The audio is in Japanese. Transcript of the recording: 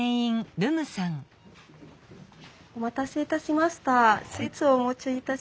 お待たせいたしました。